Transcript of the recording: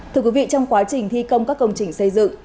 thưa quý vị trong quá trình thi công các công trình xây dựng